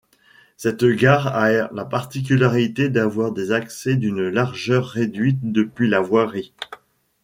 Cette gare a la particularité d'avoir des accès d'une largeur réduite depuis la voirie.